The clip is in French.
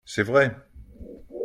C’est vrai.